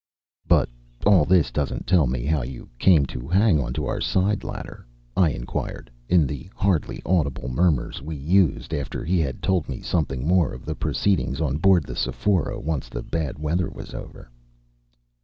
"But all this doesn't tell me how you came to hang on to our side ladder," I inquired, in the hardly audible murmurs we used, after he had told me something more of the proceedings on board the Sephora once the bad weather was over.